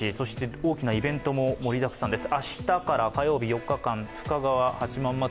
大きなイベントも盛りだくさんです。